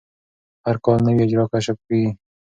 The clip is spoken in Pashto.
هر کال نوي اجرام کشف کېږي.